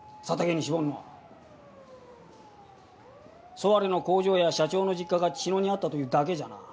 ソワレルの工場や社長の実家が茅野にあったというだけじゃな。